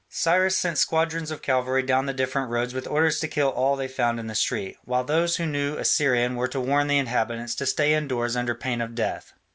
Cyrus sent squadrons of cavalry down the different roads with orders to kill all they found in the street, while those who knew Assyrian were to warn the inhabitants to stay indoors under pain of death.